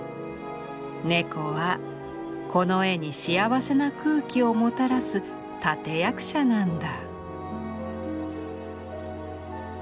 猫はこの絵に幸せな空気をもたらす立て役者なんだ」。